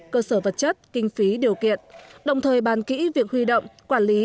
cơ sở vật chất kinh phí điều kiện đồng thời bàn kỹ việc huy động quản lý